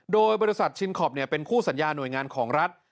โดยบริษัทชินคอปเป็นคู่สัญญาหน่วยงานของรัฐ